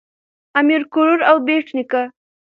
امیر کروړ او بېټ نیکه